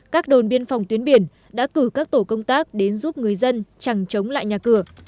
các đồn biên phòng tuyến biển đã cử các tổ công tác đến giúp người dân chẳng chống lại nhà cửa